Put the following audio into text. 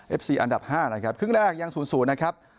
เอฟซีอันดับห้านะครับครึ่งแรกยังศูนย์ศูนย์นะครับ